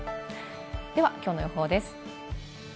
では今日の予報です。